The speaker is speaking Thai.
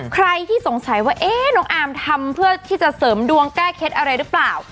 ใครที่สงสัยว่าน้องอาร์มทำเพื่อที่จะเสริมดวงแก้เคล็ดอะไรหรือเปล่า